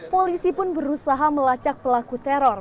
polisi pun berusaha melacak pelaku teror